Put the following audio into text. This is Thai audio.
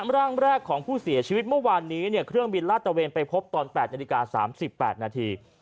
ร่างแรกของผู้เสียชีวิตเมื่อวานนี้เครื่องบินลาดตะเวนไปพบตอน๘นาฬิกา๓๘นาที